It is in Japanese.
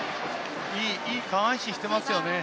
いい下半身してますね。